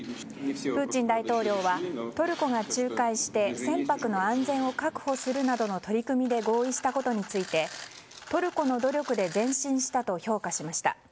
プーチン大統領はトルコが仲介して船舶の安全を確保するなどの取り組みで合意したことについてトルコの努力で前進したと評価しました。